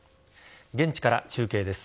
現地から中継です。